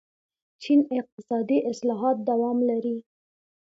چین اقتصادي اصلاحات دوام لري.